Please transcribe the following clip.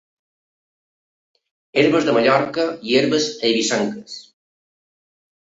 Herbes de Mallorca i Herbes Eivissenques.